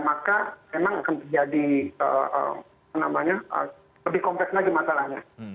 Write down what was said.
maka memang akan terjadi lebih kompleks lagi masalahnya